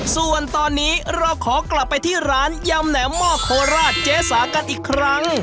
ส่วนตอนนี้เราขอกลับไปที่ร้านยำแหนมหม้อโคราชเจ๊สากันอีกครั้ง